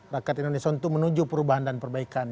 rakyat indonesia untuk menuju perubahan dan perbaikan